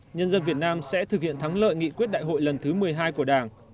nhân dân việt nam sẽ thực hiện thắng lợi nghị quyết đại hội lần thứ một mươi hai của đảng